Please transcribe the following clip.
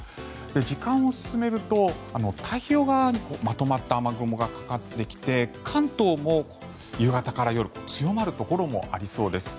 時間を進めると、太平洋側にまとまった雨雲がかかってきて関東も夕方から夜強まるところもありそうです。